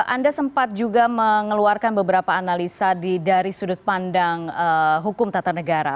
anda sempat juga mengeluarkan beberapa analisa dari sudut pandang hukum tata negara